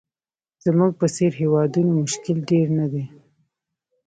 زموږ په څېر هېوادونو مشکل ډېر نه دي.